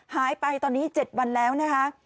หายไปตอนนี้๗วันแล้วนะคะ